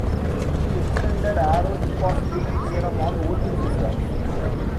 He extended Arrow's impossibility theorem on voting systems.